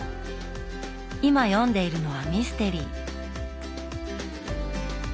今読んでいるのはミステリー。